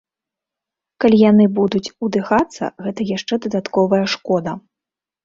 Калі яны будуць удыхацца, гэта яшчэ дадатковая шкода.